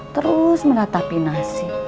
terus meratapi nasib